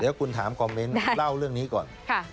เดี๋ยวคุณถามคอมเมนต์เล่าเรื่องนี้ก่อน